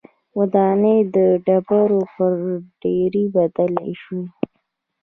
ودانۍ د ډبرو پر ډېرۍ بدلې شوې